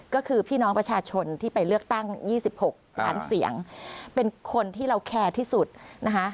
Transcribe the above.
ก็คือพี่น้องประชาชนที่ไปเลือกตั้ง๒๖ล้านเสียงเป็นคนที่เราแคร์ที่สุดนะคะ